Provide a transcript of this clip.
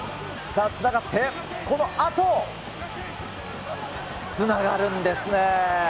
さあつながって、このあと。つながるんですね。